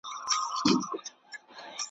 نن سهار مي پر اورغوي فال کتلی .